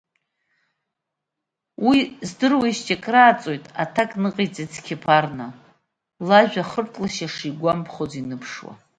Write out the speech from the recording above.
Уи здыруеижьҭеи акрааҵуеит, аҭак ныҟаиҵеит Сқьеԥарна, лажәа ахыртлашьа шигәамԥхаз иныԥшуа.